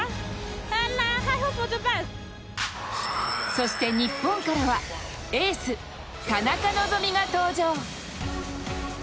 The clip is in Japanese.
そして日本からはエース・田中希実が登場。